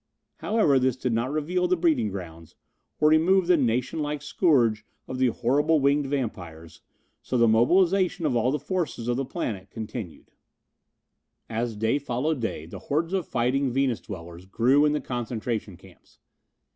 However, this did not reveal the breeding grounds, or remove the nation wide scourge of the horrible winged vampires, so the mobilization of all the forces of the planet continued. As day followed day the hordes of fighting Venus dwellers grew in the concentration camps.